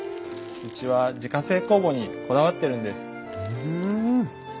うちは自家製酵母にこだわってるんです。